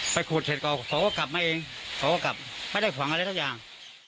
ไปขุดเฉยเฉยเขาก็กลับมาเองเขาก็กลับไม่ได้หวังอะไรทั้งอย่าง